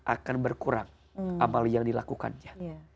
akan berkurang amal yang dilakukannya